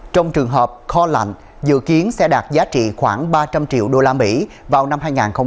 trong trường hợp kho lạnh dự kiến sẽ đạt giá trị khoảng ba trăm linh triệu usd vào năm hai nghìn hai mươi